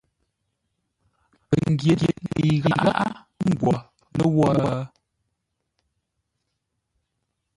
Pəngyě ŋəi gháʼá, ə́ ngwo ləwə̂?